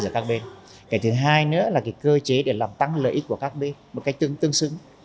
cái thứ hai nữa là cơ chế để làm tăng lợi ích của các bên một cách tương xứng